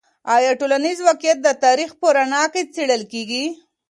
آیا ټولنیز واقعیت د تاریخ په رڼا کې څیړل کیږي؟